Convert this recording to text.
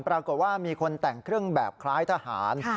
ปรากฏว่ามีคนแต่งเครื่องแบบคล้ายทหาร